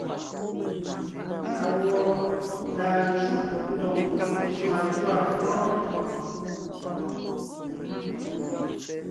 Awɔ̌ laa júʼ ndóŋ matûa wɔ́?